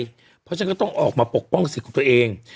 เพราะฉะนั้นก็ต้องออกมาปกป้องสิทธิ์ของตัวเอง